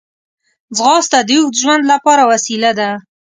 ځغاسته د اوږد ژوند لپاره وسیله ده